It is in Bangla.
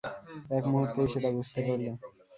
এক মুহূর্তেই সেটা বুঝতে পারলে।